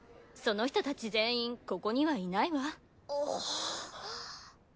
その人たち全員ここにはいないわ。